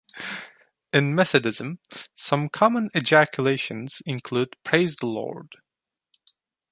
In Methodism, some common ejaculations include Praise the Lord!